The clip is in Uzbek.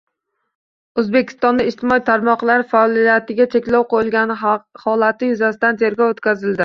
O‘zbekistonda ijtimoiy tarmoqlar faoliyatiga cheklov qo‘yilgani holati yuzasidan tergov o‘tkaziladi